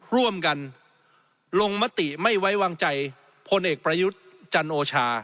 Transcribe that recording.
ร่วมกันลงมติไม่ไว้วางใจพลเอกประยุทธ์จันโอชา